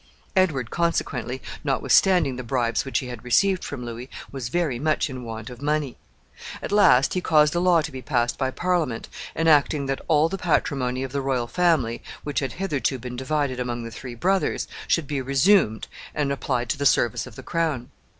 Edward, consequently, notwithstanding the bribes which he had received from Louis, was very much in want of money. At last he caused a law to be passed by Parliament enacting that all the patrimony of the royal family, which had hitherto been divided among the three brothers, should be resumed, and applied to the service of the crown.